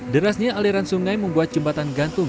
derasnya aliran sungai membuat jembatan gantung